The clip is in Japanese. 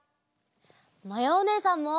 まやおねえさんも！